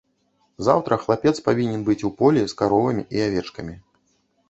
Заўтра хлапец павінен быць у полі з каровамі і авечкамі.